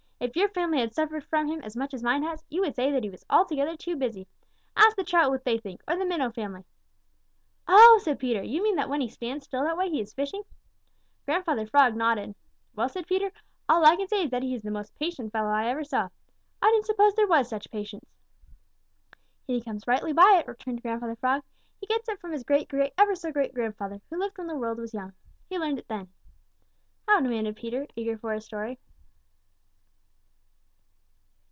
"If your family had suffered from him as much as mine has, you would say that he was altogether too busy. Ask the Trout what they think, or the Minnow family." "Oh," said Peter, "you mean that when he stands still that way he is fishing." Grandfather Frog nodded. "Well," said Peter, "all I can say is that he is the most patient fellow I ever saw. I didn't suppose there was such patience." "He comes rightly by it," returned Grandfather Frog. "He gets it from his great great ever so great grandfather, who lived when the world was young. He learned it then." "How?" demanded Peter, eager for a story.